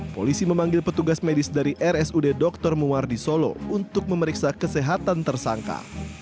polisi memanggil petugas medis dari rsud dr muwardi solo untuk memeriksa kesehatan tersangka